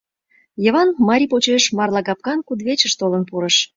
Йыван марий почеш марлагапкан кудывечыш толын пурыш.